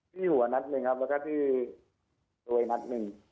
ที่หัวนัด๑และที่ทัวร์นัด๑